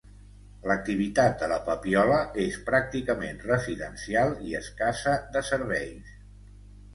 L'activitat de La Papiola és pràcticament residencial i escassa de serveis.